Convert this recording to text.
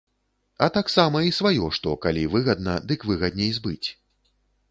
А таксама і сваё што, калі выгадна, дык выгадней збыць.